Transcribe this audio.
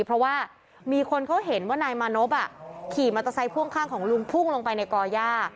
เพราะว่ามีคนเขาเห็นว่านายมานพขี่มอเตอร์ไซค่วงข้างของลุงพุ่งลงไปในก่อย่า